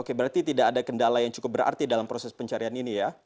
oke berarti tidak ada kendala yang cukup berarti dalam proses pencarian ini ya